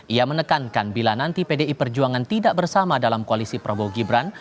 ia menekankan bila nanti pdi perjuangan tidak bersama dalam koalisi prabowo gibran